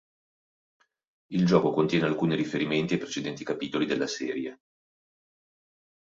Il gioco contiene alcuni riferimenti ai precedenti capitoli della serie.